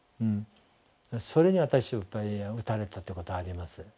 それに私やっぱり打たれたっていうことあります。